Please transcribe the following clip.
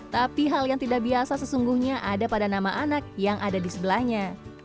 tapi hal yang tidak biasa sesungguhnya ada pada nama anak yang ada di sebelahnya